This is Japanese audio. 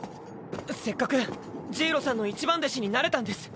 せっかくジイロさんの一番弟子になれたんです。